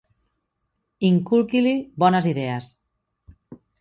Inculqui-li bones idees